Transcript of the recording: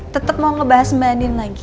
tetep mau ngebahas mbak andin lagi